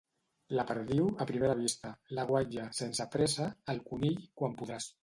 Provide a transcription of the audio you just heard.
La perdiu, a primera vista; la guatlla, sense pressa; el conill, quan podràs.